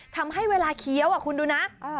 ทำให้เวลาเคี้ยวคุณดูนะ